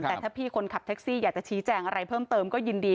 แต่ถ้าพี่คนขับแท็กซี่อยากจะชี้แจงอะไรเพิ่มเติมก็ยินดี